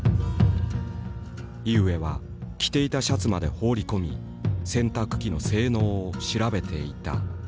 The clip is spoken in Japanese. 井植は着ていたシャツまで放り込み洗濯機の性能を調べていた。